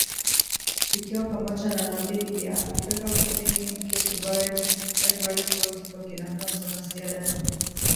ikiwa pamoja na Namibia Afrika kusini Cape Verde Ivory Coast Burkina Faso na Sierra Leone